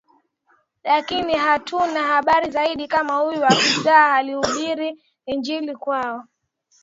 Lakini hatuna habari zaidi kama huyo afisa alihubiri Injili kwao